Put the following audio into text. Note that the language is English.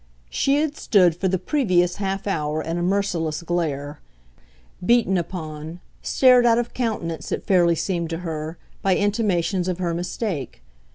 She had stood for the previous half hour in a merciless glare, beaten upon, stared out of countenance, it fairly seemed to her, by intimations of her mistake.